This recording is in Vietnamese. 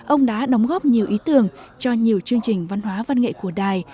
ông đã đóng góp nhiều ý tưởng cho nhiều chương trình văn hóa văn nghệ của đài